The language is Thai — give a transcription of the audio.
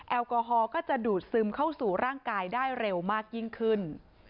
แอลกอฮอลก็จะดูดซึมเข้าสู่ร่างกายได้เร็วมากยิ่งขึ้น